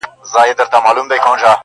• چي وجود را سره زما او وزر ستا وي..